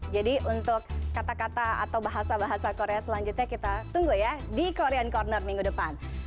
jadi untuk kata kata atau bahasa bahasa korea selanjutnya kita tunggu ya di korean corner minggu depan